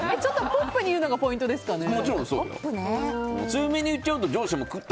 ポップに言うのがポイントですかね？